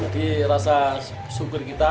jadi rasa syukur kita